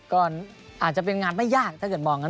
ก็อาจจะเป็นงานไม่ยากถ้าเกิดมองกัน